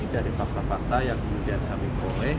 dari fakta fakta yang kemudian kami peroleh